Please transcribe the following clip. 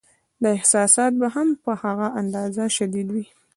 دا احساسات به هم په هغه اندازه شدید وي.